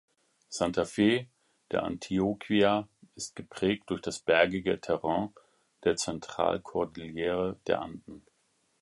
Santa Fe de Antioquia ist geprägt durch das bergige Terrain der Zentralkordillere der Anden.